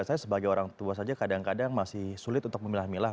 saya sebagai orang tua saja kadang kadang masih sulit untuk memilah milah